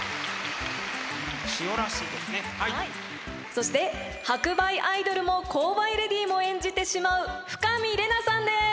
そして白梅アイドルも紅梅レディーも演じてしまう深見玲奈さんです！